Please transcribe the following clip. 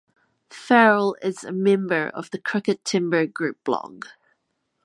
Farrell is a member of the Crooked Timber group blog.